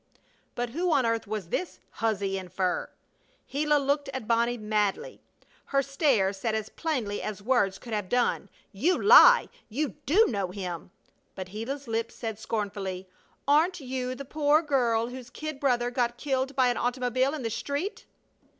But who on earth was this huzzy in fur? Gila looked at Bonnie madly. Her stare said as plainly as words could have done: "You lie! You do know him!" But Gila's lips said, scornfully, "Aren't you the poor girl whose kid brother got killed by an automobile in the street?"